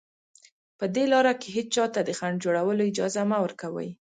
په دې لاره کې هېچا ته د خنډ جوړولو اجازه مه ورکوئ